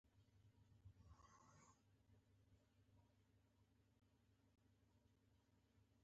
علي په کړې ګناه باندې قسم خوري.